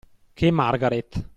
Che Margaret.